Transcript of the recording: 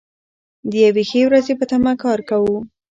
د یوې ښې ورځې په تمه کار کوو.